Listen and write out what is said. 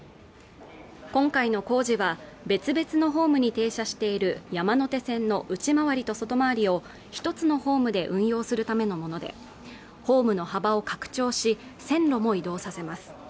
今回の工事は別々のホームに停車している山手線の内回りと外回りを１つのホームで運用するためのものでホームの幅を拡張し線路も移動させます